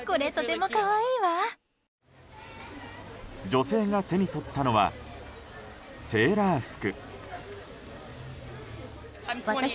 女性が手に取ったのはセーラー服。